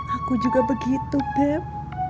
aku juga begitu beb